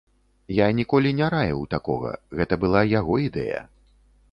Я ніколі не раіў такога, гэта была яго ідэя.